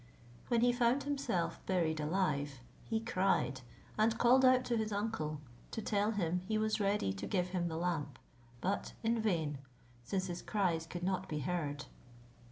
When he found himself buried alive, he cried, and called out to his uncle, to tell him he was ready to give him the lamp; but in vain, since his cries could not be heard.